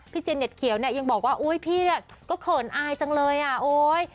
เจนเน็ตเขียวเนี่ยยังบอกว่าอุ๊ยพี่เนี่ยก็เขินอายจังเลยอ่ะโอ๊ย